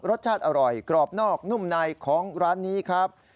รสชาติอร่อยกรอบนอกนุ่มในของร้านนี้ครับ